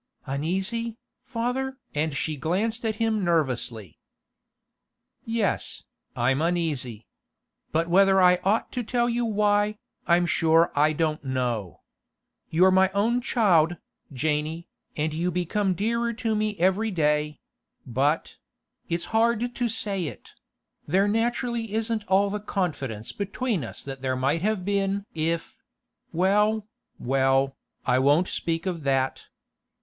'Uneasy, father?' and she glanced at him nervously. 'Yes, I'm uneasy. But whether I ought to tell you why, I'm sure I don't know. You're my own child, Janey, and you become dearer to me every day; but—it's hard to say it—there naturally isn't all the confidence between us that there might have been if—well, well, I won't speak of that.